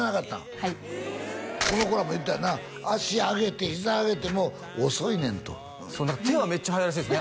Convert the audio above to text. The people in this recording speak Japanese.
はいこの子らも言ったよな足上げてひざ上げても遅いねんと手はめっちゃ速いらしいですね